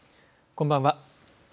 こんばんは。